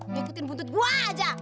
lu ikutin buntut gua aja